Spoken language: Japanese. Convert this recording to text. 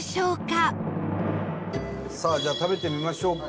伊達：さあ、じゃあ食べてみましょうか。